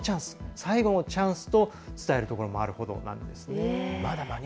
最後のチャンスと伝えるところもあるほどなんですね。